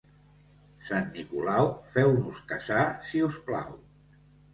Sant Nicolau, feu-nos casar, si us plau.